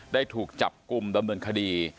ได้ถูกจับกลุ่มดำเนินคดี